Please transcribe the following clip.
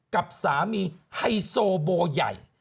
กับสามีไฮโซโบใหญ่